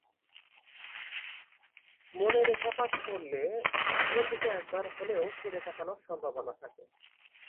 মনে রেখাপাত করলে পিছন দিকে একবার হলেও ফিরে তাকানোর সম্ভাবনা থাকে।